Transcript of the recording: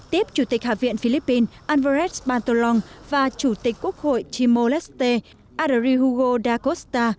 tiếp chủ tịch hạ viện philippines alvarez pantolong và chủ tịch quốc hội chimoleste adarijugo dacosta